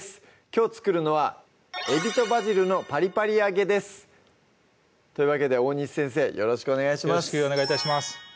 きょう作るのは「海老とバジルのパリパリ揚げ」ですというわけで大西先生よろしくお願いします